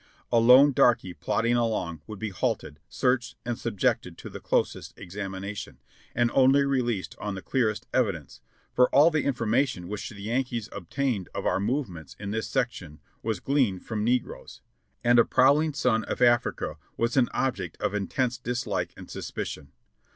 A lone darky plodding along would be halted, searched and subjected to the closest examination, and only released on the clearest evidence, for all the information which the Yankees obtained of our movements in this section was gleaned from negroes, and a prowling son of Africa was an ob ject of intense dislike and suspicion.